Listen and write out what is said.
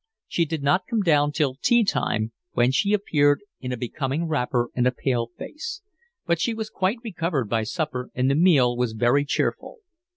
She did not come down till tea time, when she appeared in a becoming wrapper and a pale face; but she was quite recovered by supper, and the meal was very cheerful.